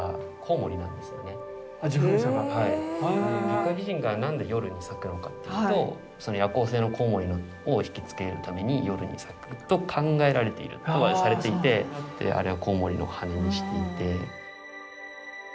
月下美人が何で夜に咲くのかっていうと夜行性のコウモリをひきつけるために夜に咲くと考えられているとされていてであれはコウモリの羽にしていて。